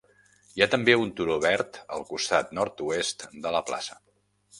Hi ha també un turó verd al costat nord-oest de la plaça.